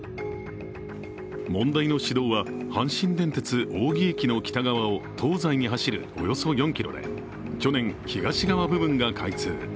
問題の市道は阪神電鉄・青木駅の北側を東西に走るおよそ４ｋｍで去年、東側部分が開通。